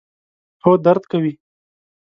هو، درد کوي